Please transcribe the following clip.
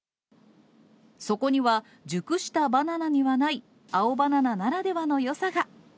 そこには、熟したバナナにはない青バナナならではのよさが。